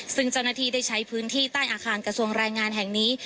ซึ่งเจ้าหน้าที่ได้ใช้พื้นที่ใต้อาคารกระทรวงแรงงานแห่งนี้